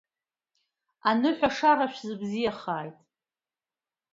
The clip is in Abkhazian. Аныҳәа ашара шәзыбзиахааит!